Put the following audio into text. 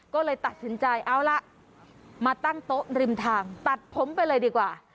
ก็เลยตัดสินใจเอาล่ะมาตั้งโต๊ะริมทางตัดผมไปเลยดีกว่า